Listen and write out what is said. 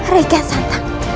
rai kian sangra